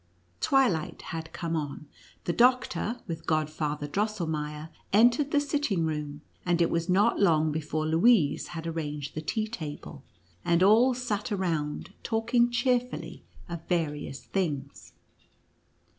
Twilight had come on ; the doctor, with Godfather Drosselmeier, entered the sitting room; and it was not long before Louise had arranged the tea table, and all sat around, talking cheerfully of various things.